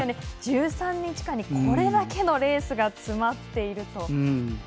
１３日間でこれだけのレースが詰まっていると。